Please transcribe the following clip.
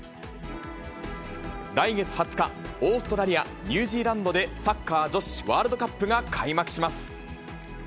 来月２０日、オーストラリア、ニュージーランドでサッカー女子ワールドカップが開幕します。